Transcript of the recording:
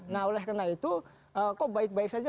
nah oleh karena itu kok baik baik saja